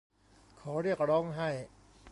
ขอเรียกร้องให้